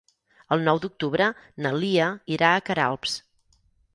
El nou d'octubre na Lia irà a Queralbs.